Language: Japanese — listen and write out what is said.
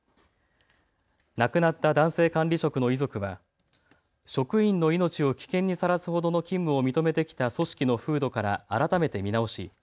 亡くなった男性管理職の遺族は職員の命を危険にさらすほどの勤務を認めてきた組織の風土から改めて見直し